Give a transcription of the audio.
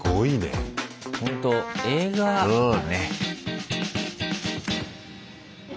ほんと映画だね。